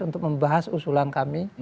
untuk membahas usulan kami